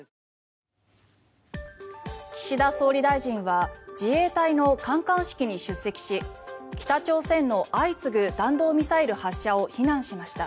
岸田総理大臣は自衛隊の観艦式に出席し北朝鮮の相次ぐ弾道ミサイル発射を非難しました。